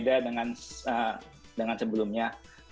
sudah berbeda dengan sebelumnya